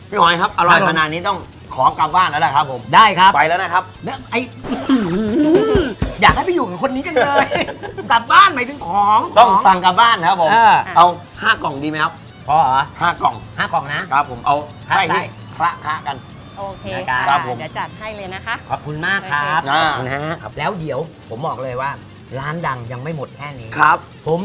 พี่หอยครับอร่อยพนานี้ต้องขอกลับบ้านแล้วแหละครับผม